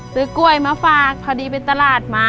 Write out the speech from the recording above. ซื้อกล้วยมาฝากพอดีไปตลาดมา